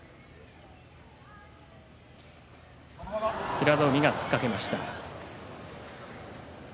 平戸海が突っかけました。